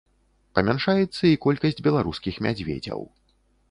Памяншаецца і колькасць беларускіх мядзведзяў.